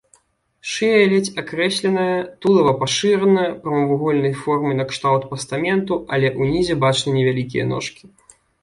Шыя ледзь акрэсленая, тулава пашырана, прамавугольнай формы накшталт пастаменту, але ўнізе бачны невялікія ножкі.